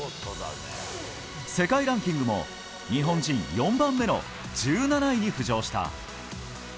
世界ランキングも日本人４番目の１７位に浮上した。